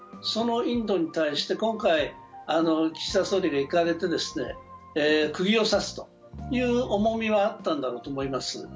そのインドに対して今回、岸田総理が行かれてくぎを刺すという重みはあったんだろうと思います。